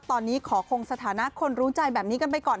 ตอนนี้ขอคงสถานะคนรู้ใจแบบนี้กันไปก่อน